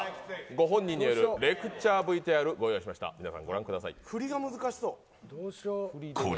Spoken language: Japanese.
ご本人によるレクチャーＶＴＲご用意しました。